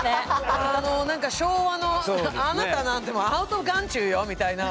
なんか昭和の「あなたなんてアウトオブ眼中よ」みたいな。